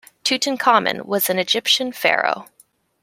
Tutankhamen was an Egyptian pharaoh.